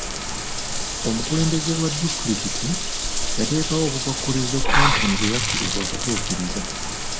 Omukulembeze wa disitulikiti yateekawo obukwakkulizo Kkampuni bwe yakkiriza okutuukiriza.